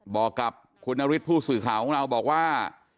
บอกกับคุณนฤทธิผู้สื่อข่าวของเราบอกว่า